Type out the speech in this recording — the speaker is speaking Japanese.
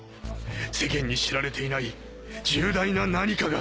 世間に知られていない重大な何かが！